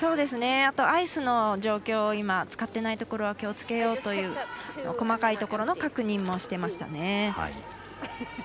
あと、アイスの状況を今、使ってないところは気をつけようという細かいところの確認もしていましたね。